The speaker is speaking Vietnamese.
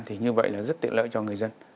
thì như vậy là rất tiện lợi cho người dân